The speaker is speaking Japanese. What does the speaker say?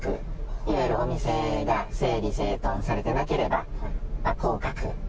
いわゆるお店が整理整とんされてなければ降格。